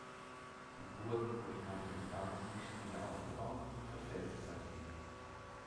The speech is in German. Die Burg wurde nach dem Brand nicht wieder aufgebaut und verfällt seitdem.